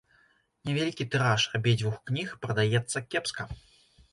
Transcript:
Невялікі тыраж абедзвюх кніг прадаецца кепска.